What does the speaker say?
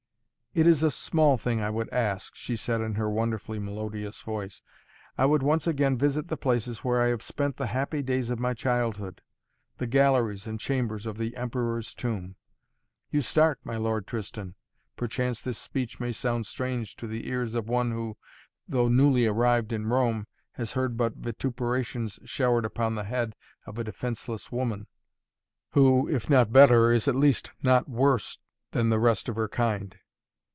"It is a small thing, I would ask," she said in her wonderfully melodious voice. "I would once again visit the places where I have spent the happy days of my childhood, the galleries and chambers of the Emperor's Tomb. You start, my Lord Tristan! Perchance this speech may sound strange to the ears of one who, though newly arrived in Rome, has heard but vituperations showered upon the head of a defenceless woman, who, if not better, is at least not worse than the rest of her kind.